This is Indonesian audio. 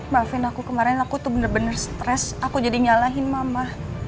maafin aku kemarin aku tuh bener bener stres aku jadi nyalahin mama